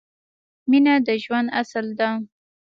مینه د ژوند اصل ده